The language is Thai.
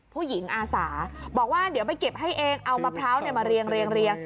ผู้หญิงอาสาบอกว่าเดี๋ยวไปเก็บให้เองเอามะพร้าวเนี่ยมาเรียงเรียงเรียง